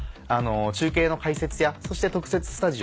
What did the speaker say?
中継の解説やそして特設スタジオ